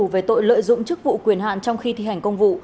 về tội lợi dụng chức vụ quyền hạn trong khi thi hành công vụ